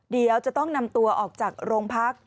เดี๋ยวจะต้องนำตัวออกจากโรงพัก